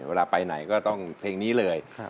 เวลาไปไหนก็ต้องเพลงนี้เลย